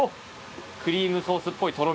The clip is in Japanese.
クリームソースっぽい。